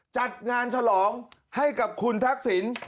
จัดงานฉลองให้กับคุณทักษิณ